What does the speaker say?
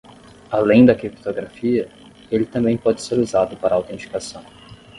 Além da criptografia?, ele também pode ser usado para autenticação.